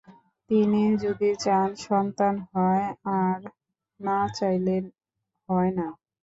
তিনি যদি চান সন্তান হয়, আর না চাইলে হয় না।